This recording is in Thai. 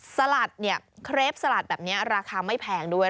สลัดเนี่ยเครปสลัดแบบนี้ราคาไม่แพงด้วย